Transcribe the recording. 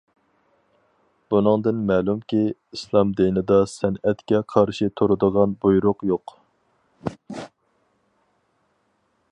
بۇنىڭدىن مەلۇمكى، ئىسلام دىنىدا سەنئەتكە قارشى تۇرىدىغان بۇيرۇق يوق.